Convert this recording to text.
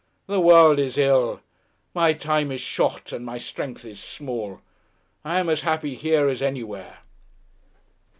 The world is ill, my time is short and my strength is small. I'm as happy here as anywhere."